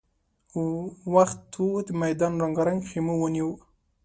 وخت ووت، ميدان رنګارنګ خيمو ونيو.